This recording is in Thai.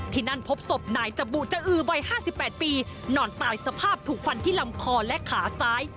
ที่นั่นพบศพนายจบูจะอือวัย๕๘ปีนอนตายสภาพถูกฟันที่ลำคอและขาซ้าย